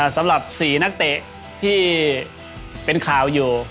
สำหรับ๔นักเตะที่เป็นข่าวอยู่